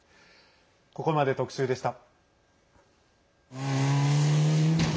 ここまで、特集でした。